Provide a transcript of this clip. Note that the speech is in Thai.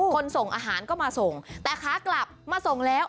ส่งอาหารก็มาส่งแต่ขากลับมาส่งแล้ว